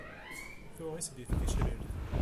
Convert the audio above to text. Tuɣ-itt di tgecrirt.